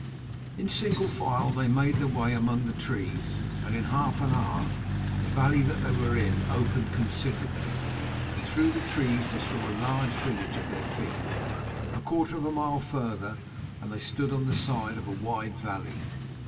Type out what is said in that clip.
In single file they made their way among the trees, and in an hour the valley that they were in opened considerably, and through the trees they saw a large village at their feet. A quarter of a mile farther and they stood on the side of a wide valley.